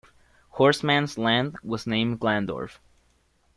Horstmann's land was named Glandorf.